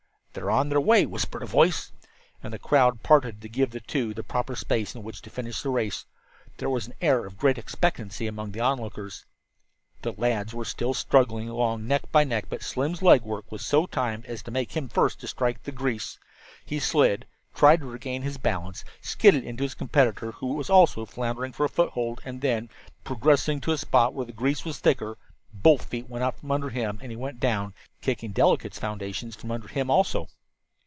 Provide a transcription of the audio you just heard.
"They're on their way," whispered a voice, and the crowd parted to give the two the proper space in which to finish the race. There was an air of great expectancy among the onlookers. The lads were still struggling along neck and neck, but Slim's leg work was so timed as to make him the first to strike the grease. He slid, tried to regain his balance, skidded into his competitor, who also was floundering for a foothold, and then, progressing to a spot where the grease was thicker, both feet went out from under him and he went down, kicking Delicate's foundations from under him, also.